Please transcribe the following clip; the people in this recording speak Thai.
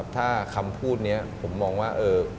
ถ้าคำพูดนี้ผมมองว่า